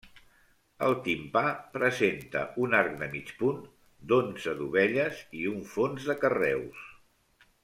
El timpà presenta un arc de mig punt, d'onze dovelles, i un fons de carreus.